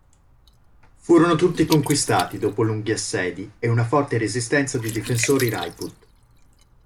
Furono tutti conquistati dopo lunghi assedi e una forte resistenza dei difensori Rajput.